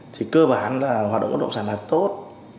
thì cơ bản là hoạt động bất động sản làm tốt